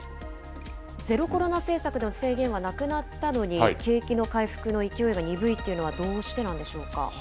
ゼロコロナ政策での制限はなくなったのに、景気の回復の勢いが鈍いというのはどうしてなんでしょうか。